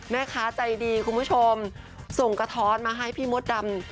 แม่คะใจดีส่งกะท้อนมาให้พี่มดดำ